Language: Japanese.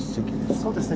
そうですね